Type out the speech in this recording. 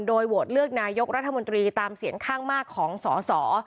โดยโหวตเลือกนายกรัฐมนตรีตามเสียงข้างมากของสอสอ